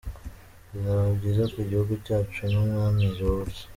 Bizaba byiza ku gihugu cyacu, ni umwami George.